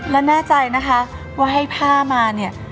และแน่ใจนะคะว่าให้ผ้ามาเนี่ย